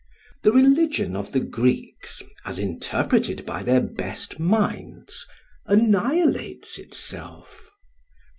The religion of the Greeks, as interpreted by their best minds, annihilates itself.